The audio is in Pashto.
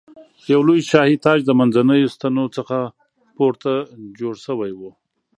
یو لوی شاهي تاج د منځنیو ستنو څخه پورته جوړ شوی و.